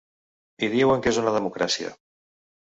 I diuen que és una democràcia.